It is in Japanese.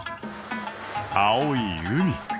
青い海。